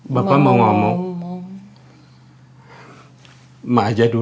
bapak mau ngomong sama pak guru